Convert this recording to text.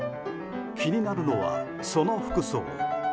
気になるのは、その服装。